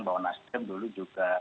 bahwa nasdem dulu juga